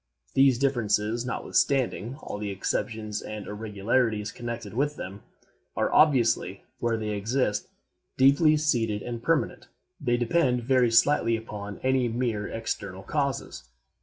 These differences, notwithstanding all the exceptions and irregularities connected with them, are obviously, where they exist, deeply seated and permanent. They depend very slightly upon any mere external causes.